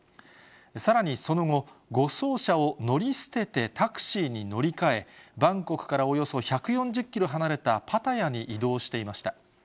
さらにその後、護送車を乗り捨ててタクシーに乗り換え、バンコクからおよそ１４０キロ離れたパタヤに移動していました。